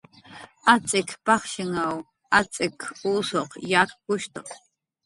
Atz'ik pajshinw atz'ik usuq yakkushtu